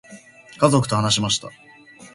家族と話しました。